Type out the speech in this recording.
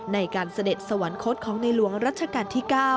เสด็จสวรรคตของในหลวงรัชกาลที่๙